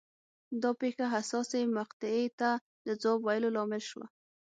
دا پېښه حساسې مقطعې ته د ځواب ویلو لامل شوه.